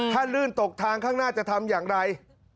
ถ้าลื่นตกทางข้างหน้าจะทำอย่างไร